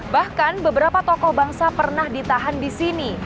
bahkan beberapa tokoh bangsa pernah ditahan di sini